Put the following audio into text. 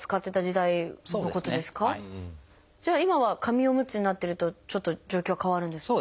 じゃあ今は紙おむつになってるとちょっと状況は変わるんですか？